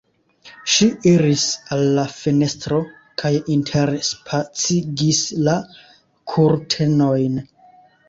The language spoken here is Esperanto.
Ŝi iris al la fenestro kaj interspacigis la kurtenojn.